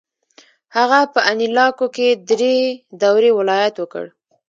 هغه په انیلاکو کې درې دورې ولایت وکړ.